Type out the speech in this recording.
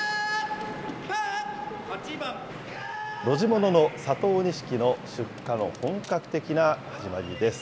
露地物の佐藤錦の出荷の本格的な始まりです。